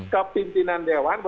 ke pimpinan dewan